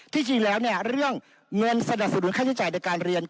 จริงแล้วเรื่องเงินสนับสนุนค่าใช้จ่ายในการเรียน